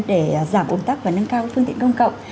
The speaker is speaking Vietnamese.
để giảm ổn tắc và nâng cao cái phương tiện công cộng